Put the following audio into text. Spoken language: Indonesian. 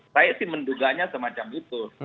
saya sih menduganya semacam itu